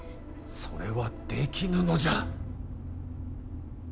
それはできぬのじゃ。